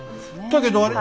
だけどあれ？